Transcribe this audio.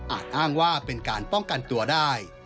อ้างว่าเป็นการป้องกันตัวได้